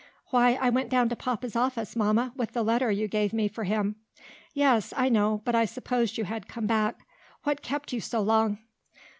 "Why, I went down to papa's office, Mamma, with that letter you gave me for him." "Yes, I know, but I supposed you had come back. What kept you so long?"